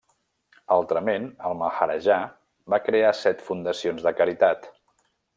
Altrament el maharajà va crear set fundacions de caritat.